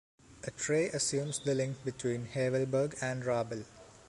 A tray assumes the link between Havelberg and Räbel.